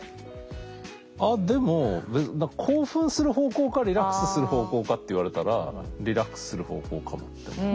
あっでも興奮する方向かリラックスする方向かって言われたらリラックスする方向かもって思う。